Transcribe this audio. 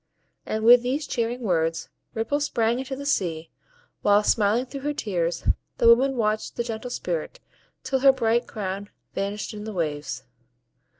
And with these cheering words Ripple sprang into the sea; while, smiling through her tears, the woman watched the gentle Spirit, till her bright crown vanished in the waves.